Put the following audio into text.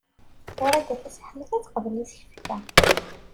Wrida Tasaḥlit ad teqbel isefka.